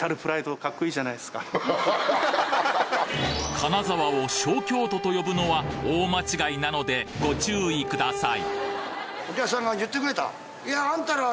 金沢を「小京都」と呼ぶのは大間違いなのでご注意ください